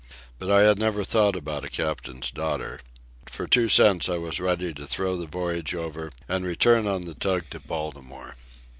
But I had never thought about a captain's daughter. For two cents I was ready to throw the voyage over and return on the tug to Baltimore.